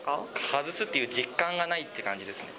外すっていう実感がないっていう感じですね。